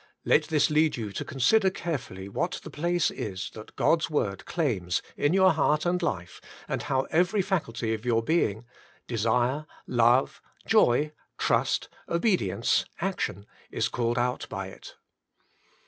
Let this lead you to consider carefully what the place is that God's word claims in your heart and life, and how every faculty of your be ing—desire, love, joy, trust, obedience, action is called out by it.